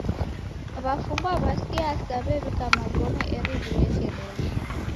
W'afungwa w'a siasa w'ew'ika magome eri w'ilekerelo.